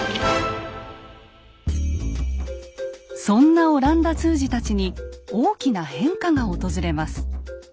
そんな阿蘭陀通詞たちに大きな変化が訪れます。